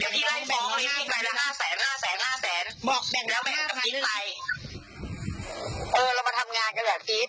จะเรียกรายละ๕๐๐๐๐๐บาทแล้วไม่ต้องขอไก่เกียรติ